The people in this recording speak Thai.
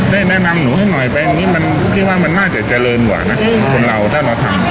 แนะนำหนูให้หน่อยไปอย่างนี้มันพี่ว่ามันน่าจะเจริญกว่านะคนเราได้มาทำ